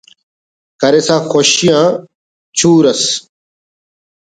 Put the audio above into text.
کرسا خوشی آن چور ئس